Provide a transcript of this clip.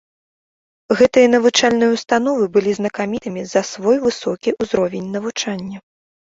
Гэтыя навучальныя ўстановы былі знакамітымі за свой высокі ўзровень навучання.